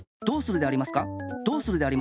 どうするでありますか？